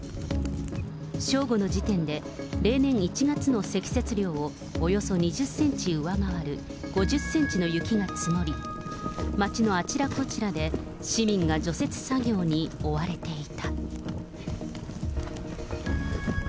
正午の時点で、例年１月の積雪量をおよそ２０センチ上回る５０センチの雪が積もり、町のあちらこちらで、市民が除雪作業に追われていた。